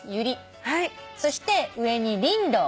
そして上にリンドウ。